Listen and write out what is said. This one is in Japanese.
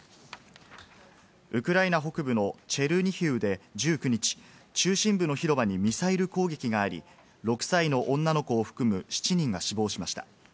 ウクライナ北部のチェルニヒウで１９日、中心部の広場にミサイル攻撃があり、６歳の女の子を含む、７人が死亡しました。